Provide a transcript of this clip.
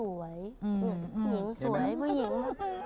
ผู้หญิงสวยผู้หญิง